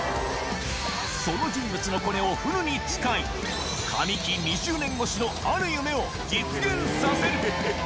その人物のコネをフルに使い、神木２０年越しのある夢を実現させる。